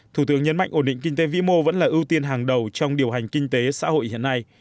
thủ tướng nhấn mạnh ổn định kinh tế vĩ mô vẫn là ưu tiên hàng đầu trong điều hành kinh tế xã hội hiện nay